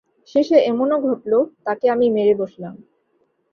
শেষে এমনও ঘটল, তাকে আমি মেরে বসলাম।